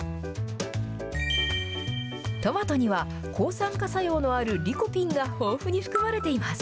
トマトには、抗酸化作用のあるリコピンが豊富に含まれています。